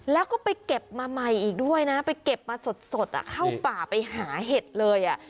แล้วก็ไปเก็บมาใหม่อีกด้วยนะไปเก็บมาสดเข้าป่าไปหาเห็ดเลย